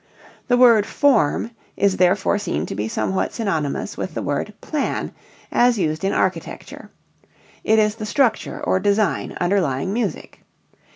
The word form is therefore seen to be somewhat synonymous with the word plan as used in architecture; it is the structure or design underlying music.